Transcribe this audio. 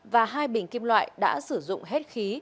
và hai bình kim loại đã sử dụng hết khí